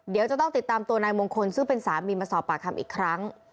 เดี๋ยวจะต้องติดตามตัวนายมงคลซึ่งเป็นสามีมาสอบปากคำอีกครั้ง